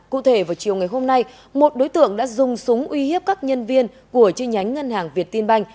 cụ thể vào chiều ngày hôm nay một đối tượng đã dùng súng uy hiếp các nhân viên của chi nhánh ngân hàng việt tiên banh